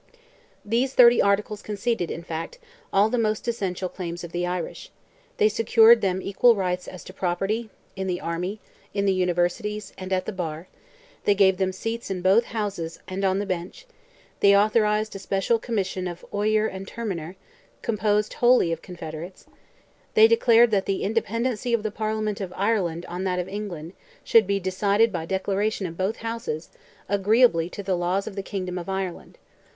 These thirty articles conceded, in fact, all the most essential claims of the Irish; they secured them equal rights as to property, in the Army, in the Universities, and at the Bar; they gave them seats in both Houses and on the Bench; they authorized a special commission of Oyer and Terminer, composed wholly of Confederates; they declared that "the independency of the Parliament of Ireland on that of England," should be decided by declaration of both Houses "agreeably to the laws of the Kingdom of Ireland."